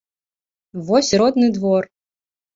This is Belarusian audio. Вось і родны двор!